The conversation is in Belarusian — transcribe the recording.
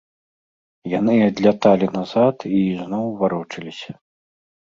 Яны адляталі назад і ізноў варочаліся.